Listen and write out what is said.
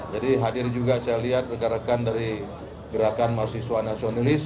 jadi hadir juga saya lihat rekan rekan dari gerakan mahasiswa nasionalis